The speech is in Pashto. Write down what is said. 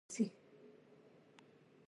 له هغه ځایه کوهستان بشای ته ځي.